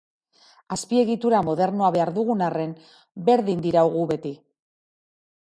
Azpiegitura modernoa behar dugun arren, berdin diraugu beti.